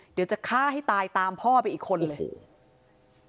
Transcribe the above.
เดี๋ยวจะฆ่าให้ตายตามพ่อไปอีกคนเลย